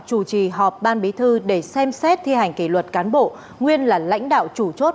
chủ trì họp ban bí thư để xem xét thi hành kỷ luật cán bộ nguyên là lãnh đạo chủ chốt